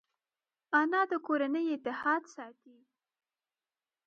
انا د کورنۍ اتحاد ساتي